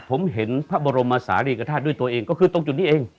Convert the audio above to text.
ผมเห็นพระบรมศาลีกฐาตุด้วยตัวเองก็คือตรงจุดนี้เอง